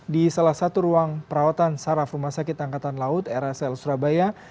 di salah satu ruang perawatan saraf rumah sakit angkatan laut rsl surabaya